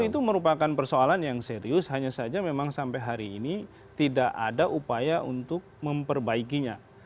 itu merupakan persoalan yang serius hanya saja memang sampai hari ini tidak ada upaya untuk memperbaikinya